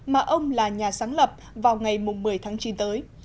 mà ông là nhà sáng lập vào ngày một mươi tháng chín tới